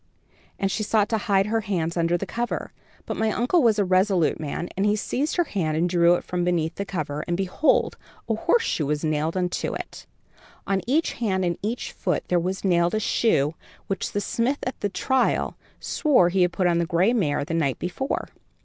and she sought to hide her hands under the cover; but my uncle was a resolute man, and he seized her hand and drew it from beneath the cover, and behold, a horseshoe was nailed unto it. On each hand and each foot there was nailed a shoe which the smith at the trial swore he had put on the gray mare the night before."